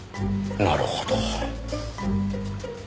なるほど。